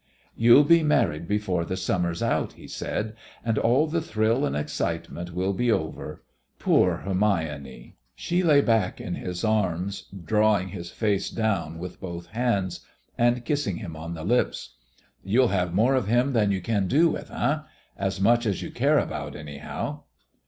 "You'll be married before the summer's out," he said, "and all the thrill and excitement will be over. Poor Hermione!" She lay back in his arms, drawing his face down with both hands, and kissing him on the lips. "You'll have more of him than you can do with eh? As much as you care about, anyhow."